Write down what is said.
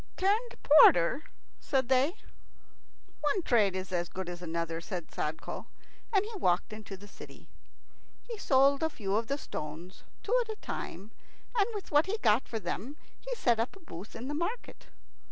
"Turned porter?" said they. "One trade is as good as another," said Sadko, and he walked into the city. He sold a few of the stones, two at a time, and with what he got for them he set up a booth in the market.